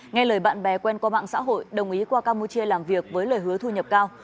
nghe lời bạn bè quen qua mạng xã hội đồng ý qua campuchia làm việc với lời hứa thu nhập cao